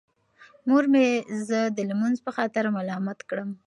مور مې زه د لمونځ په خاطر ملامت کړم.